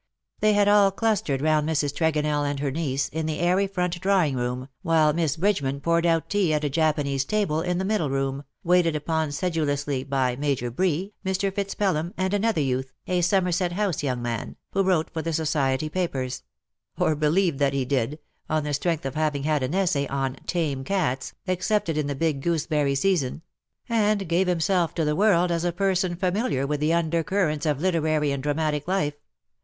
They had all clustered round Mrs. Tregonell and her niece, in the airy front drawing room, while Miss Bridgeman poured out tea at a Japanese table in the middle room, waited upon sedulously by Major Bree, Mr. FitzPelham, and another youth, a Somerset House young man, who wrote for the Society papers — or believed that he did, on the strength of having had an essay on " Tame Cats" accepted in the big gooseberry season — and gave himself to the world as a person familiar with the undercurrents of literary and dramatic life.